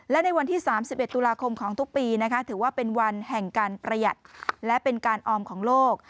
และในวันที่๓๑ตุลาคมของทุกปีถือว่าเป็นวันแห่งการประหยัดและเป็นการออมของโลก